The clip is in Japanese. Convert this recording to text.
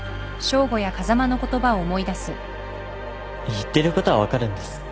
言ってることは分かるんです